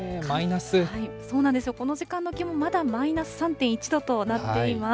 そうなんですよ、この時間の気温、まだマイナス３．１度となっています。